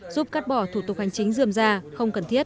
giúp cắt bỏ thủ tục hành chính dườm ra không cần thiết